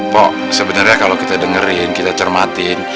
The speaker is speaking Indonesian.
kok sebenarnya kalau kita dengerin kita cermatin